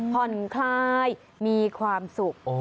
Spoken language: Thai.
ผ่อนคลายมีความสุข